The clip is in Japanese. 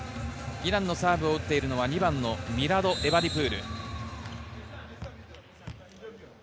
イランのサーブを打っているのは２番のミラド・エバディプール。